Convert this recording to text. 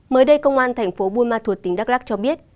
mới đây công an tp bunma thuộc tỉnh đắk lắc cho biết